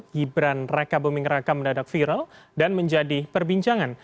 gibran rekabuming raka mendadak viral dan menjadi perbincangan